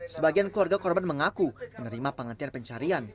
sebagian keluarga korban mengaku menerima penghentian pencarian